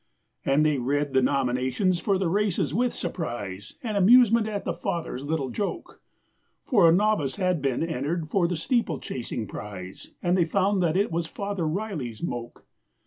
And they read the nominations for the races with surprise And amusement at the Father's little joke, For a novice had been entered for the steeplechasing prize, And they found that it was Father Riley's moke!